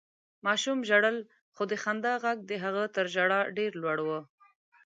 ماشوم ژړل، خو د خندا غږ د هغه تر ژړا ډېر لوړ و.